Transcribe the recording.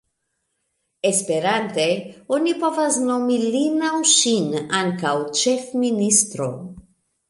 Esperante oni povas nomi lin au ŝin ankaŭ ĉefministro.